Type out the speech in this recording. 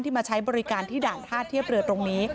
มาใช้บริการที่ด่านท่าเทียบเรือตรงนี้